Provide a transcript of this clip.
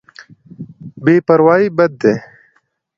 بې پروايي بد دی.